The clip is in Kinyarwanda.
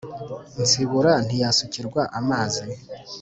Ntsibura ntiyasukirwa amazi